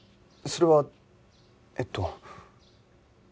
それはえっと。